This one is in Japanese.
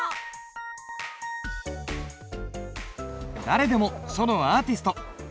誰でも書のアーティスト！